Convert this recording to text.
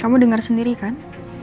kamu denger sendiri kan